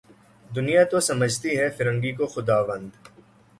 دنیا تو سمجھتی ہے فرنگی کو خداوند